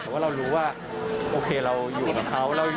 แต่ว่าเรารู้ว่าโอเคเราอยู่กับเขา